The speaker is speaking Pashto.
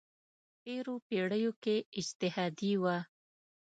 تېرو پېړیو کې اجتهادي وه.